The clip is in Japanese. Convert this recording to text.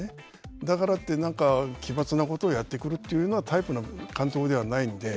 だからってなんか奇抜なことをやってくるというようなタイプの監督ではないので。